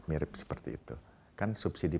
mirip seperti itu kan subsidi